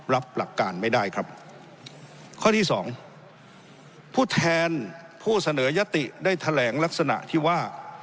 รับหลักการไม่ได้ครับข้อที่สองผู้แทนผู้เสนอยติได้แถลงลักษณะที่ว่า